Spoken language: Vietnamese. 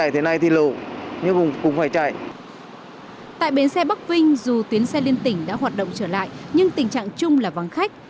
tại bến xe bắc vinh dù tuyến xe liên tỉnh đã hoạt động trở lại nhưng tình trạng chung là vắng khách